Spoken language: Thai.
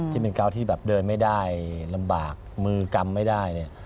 ที่เป็นเกาะที่แบบเดินไม่ได้ลำบากมือกำไม่ได้เนี่ย